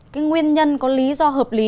cái nguyên nhân có lý do hợp lý